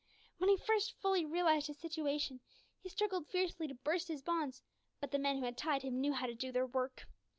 When he first fully realised his situation, he struggled fiercely to burst his bonds, but the men who had tied him knew how to do their work.